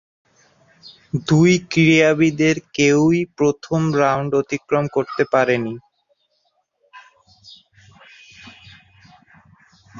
দুই ক্রীড়াবিদের কেউই প্রথম রাউন্ড অতিক্রম করতে পারেননি।